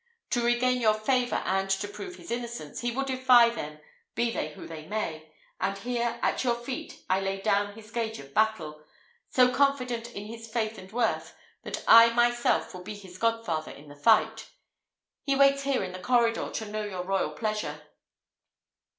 To regain your favour and to prove his innocence, he will defy them be they who they may; and here at your feet I lay down his gage of battle, so confident in his faith and worth, that I myself will be his godfather in the fight. He waits here in the corridor to know your royal pleasure."